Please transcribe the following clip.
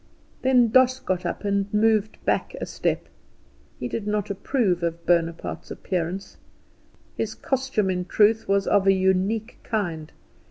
Then Doss got up and moved back a step. He did not approve of Bonaparte's appearance. His costume, in truth, was of a unique kind.